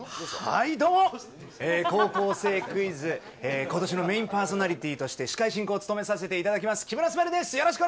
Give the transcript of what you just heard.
どうも、高校生クイズ、ことしのメインパーソナリティーとして司会進行を務めさせていただきます、木村昴です。